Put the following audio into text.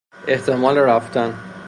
احتمال رفتن